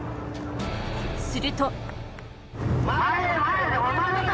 すると。